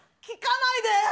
聞かないで！